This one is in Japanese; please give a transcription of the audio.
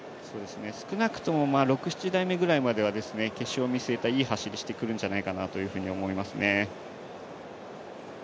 少なくとも６、７台目ぐらいまでは決勝を見据えたいい走りをしてくるんじゃないかなと思いますね。